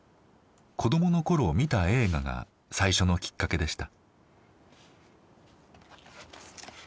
子供の頃見た映画が最初のきっかけでした。